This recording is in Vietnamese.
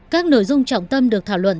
các nội dung trọng tâm được thảo luận